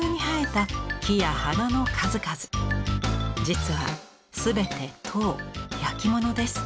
実は全て陶焼き物です。